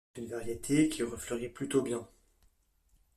C'est une variété qui refleurit plutôt bien.